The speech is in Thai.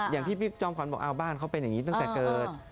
อย่างที่พี่จอมขวัญบอกบ้านเขาเป็นอย่างนี้ตั้งแต่เกิด